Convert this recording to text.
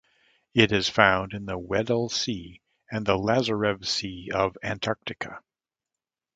It is found in the Weddell Sea and the Lazarev Sea of Antarctica.